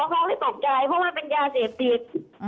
เขาไม่ตกใจเพราะว่าเป็นยาเสพติด